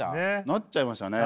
なっちゃいましたね。